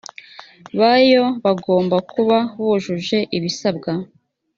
bayo bagomba kuba bujuje ibisabwa